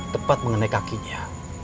tepat mengenai kakinya